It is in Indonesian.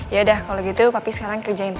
yaudah kalau gitu papi sekarang kerjain tanpa